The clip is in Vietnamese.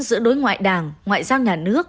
giữa đối ngoại đảng ngoại giao nhà nước